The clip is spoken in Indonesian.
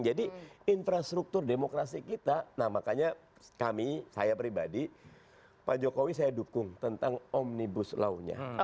jadi infrastruktur demokrasi kita nah makanya kami saya pribadi pak jokowi saya dukung tentang omnibus law nya